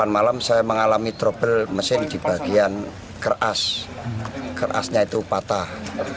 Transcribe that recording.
delapan malam saya mengalami trouble mesin di bagian keras kerasnya itu patah